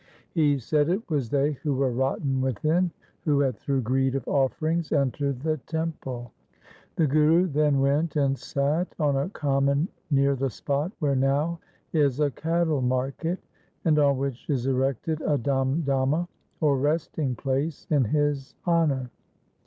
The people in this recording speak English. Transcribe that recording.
He said it was they who were rotten within, who had through greed of offerings entered the temple. The Guru then went and sat on a common near the spot where now is a cattle market, and on which is erected a damdama, or resting place, in his honour.